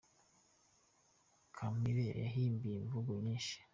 Kampire yihimbiye imvugo nyinshi.